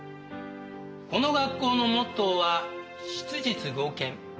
この学校のモットーは質実剛健。